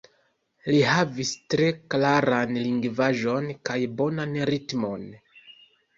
Li havis tre klaran lingvaĵon kaj bonan ritmon.